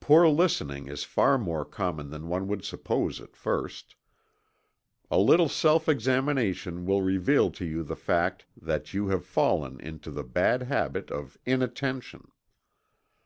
Poor listening is far more common than one would suppose at first. A little self examination will reveal to you the fact that you have fallen into the bad habit of inattention.